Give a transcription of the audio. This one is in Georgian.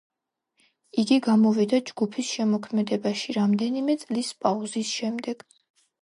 იგი გამოვიდა ჯგუფის შემოქმედებაში რამდენიმე წლის პაუზის შემდეგ.